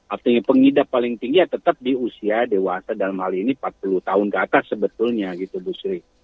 artinya pengidap paling tinggi ya tetap di usia dewasa dalam hal ini empat puluh tahun ke atas sebetulnya gitu bu sri